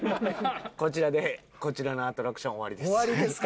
こちらでこちらのアトラクション終わりです。